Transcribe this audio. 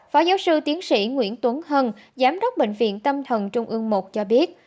phó giáo sư tiến sĩ nguyễn tuấn hân giám đốc bệnh viện tâm thần trung ương một cho biết